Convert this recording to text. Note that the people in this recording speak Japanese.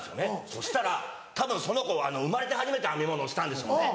そしたらたぶんその子生まれて初めて編み物をしたんでしょうね。